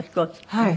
はい。